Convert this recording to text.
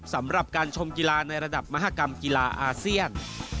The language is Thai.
สำหรับการชมกีฬาในระดับมหากรรมกีฬาอาเซียน